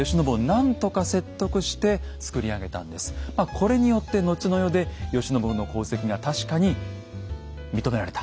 これによって後の世で慶喜の功績が確かに認められた。